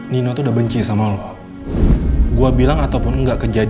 dia terluka dan jangan pernah hubungin gue lagi